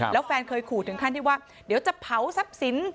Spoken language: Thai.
แล้วแฟนเคยขู่ถึงขั้นที่ว่าเดี๋ยวจะเผาทรัพย์สิน